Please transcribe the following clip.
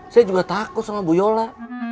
saya juga takut sama bu yola